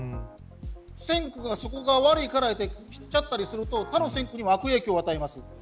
線区が悪いからといって切っちゃったりすると他の線区にも悪影響を与えます。